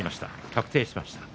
確定しました。